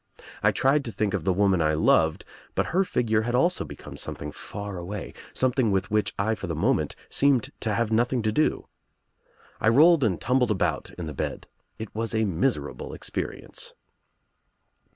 I tried to think of the woman I loved, but her figure had also become something far away, something with which I for the moment seemed to have nothing to do. I rolled and tumbled about in the bed. It was a miserable cx . perience.